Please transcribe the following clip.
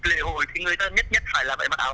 lễ hội thì người ta nhất nhất phải là phải mặc áo